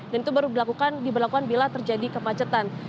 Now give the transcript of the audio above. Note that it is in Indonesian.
dan itu baru diberlakukan bila terjadi kemacetan